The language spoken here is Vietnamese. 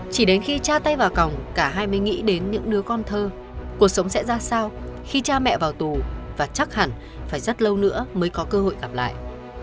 chỉ đến khi cha tay vào còng cả hai mới nghĩ đến những đứa con thơ cuộc sống sẽ ra sao khi cha mẹ vào tù và chắc hẳn phải rất lâu nữa mới có cơ hội gặp lại